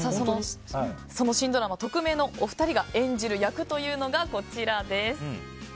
その新ドラマ「トクメイ！」のお二人が演じる役というのがこちらです。